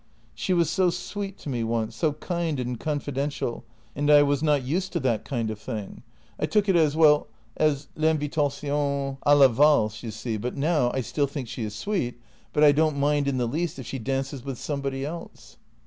... She was so sweet to me once, so kind and confidential, and I was not used to that kind of thing. I took it as — well, as I'invitation å la valse, you see, but now ... I still think she is sweet, but I don't mind in the least if she dances with somebody else."